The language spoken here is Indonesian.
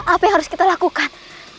apa yang harus kita lakukan